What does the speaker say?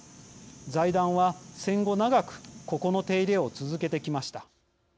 財団は戦後長くここの手入れを続けてきました。